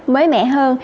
mới mẹ hơn